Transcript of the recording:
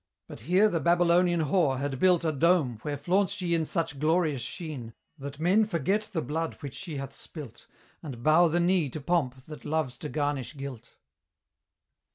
But here the Babylonian whore had built A dome, where flaunts she in such glorious sheen, That men forget the blood which she hath spilt, And bow the knee to Pomp that loves to garnish guilt.